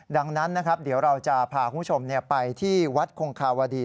ดังนั้นนะครับเดี๋ยวเราจะพาคุณผู้ชมไปที่วัดคงคาวดี